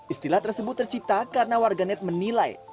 istilah tersebut tercipta karena warga net menilai